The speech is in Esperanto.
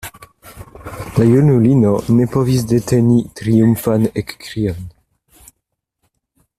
La junulino ne povis deteni triumfan ekkrion.